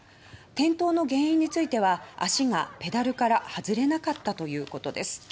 転倒の原因について足がペダルからはずれなかったということです。